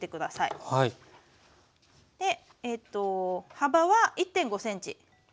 幅は１．５ｃｍ。